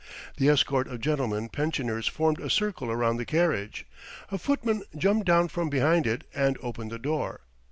The escort of gentlemen pensioners formed a circle around the carriage. A footman jumped down from behind it and opened the door.